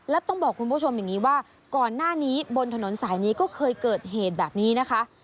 และต้องบอกคุณผู้ชมอย่างนี้ว่าก่อนหน้านี้บนถนนสายนี้ก็เคยเกิดเหตุแบบนี้นะคะ